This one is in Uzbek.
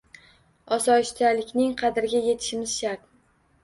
Osoyishtalikning qadriga yetishimiz shart!